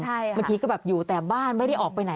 บางทีก็แบบอยู่แต่บ้านไม่ได้ออกไปไหน